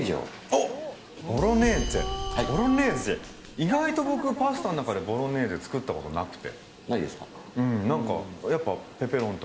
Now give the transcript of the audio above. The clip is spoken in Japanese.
意外と僕、パスタの中でボロネーゼ作ったことなくて。